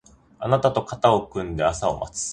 あなたと肩を組んで朝を待つ